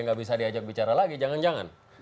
nggak bisa diajak bicara lagi jangan jangan